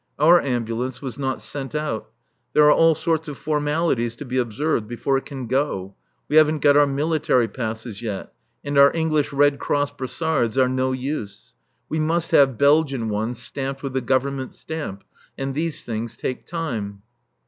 Our ambulance was not sent out. There are all sorts of formalities to be observed before it can go. We haven't got our military passes yet. And our English Red Cross brassards are no use. We must have Belgian ones stamped with the Government stamp. And these things take time.